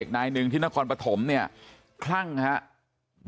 นายหนึ่งที่นครปฐมเนี่ยคลั่งครับ